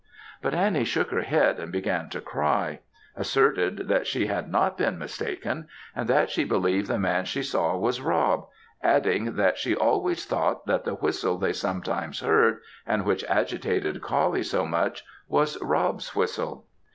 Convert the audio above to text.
But Annie shook her head, and beginning to cry, asserted that she had not been mistaken, and that she believed the man she saw was Rob, adding, that she always thought that the whistle they sometimes heard, and which agitated Coullie so much, was Rob's whistle.